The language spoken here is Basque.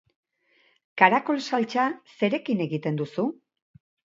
Karakol saltsa zerekin egiten duzu?